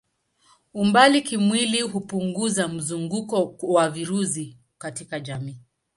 Umbali kimwili hupunguza mzunguko wa virusi katika jamii.